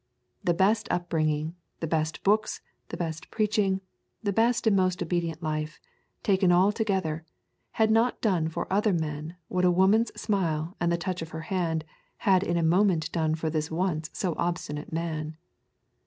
The best upbringing, the best books, the best preaching, the best and most obedient life, taken all together, had not done for other men what a woman's smile and the touch of her hand had in a moment done for this once so obstinate man.